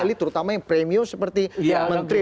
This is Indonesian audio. fakta elit terutama yang premium seperti menteri